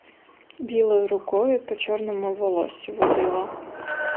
Білою рукою по чорному волоссю водила.